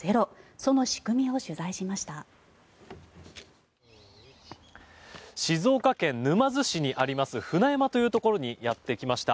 その仕組みを取材しました。